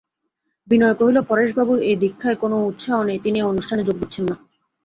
বিনয় কহিল, পরেশবাবুর এ দীক্ষায় কোনো উৎসাহ নেই–তিনি এ অনুষ্ঠানে যোগ দিচ্ছেন না।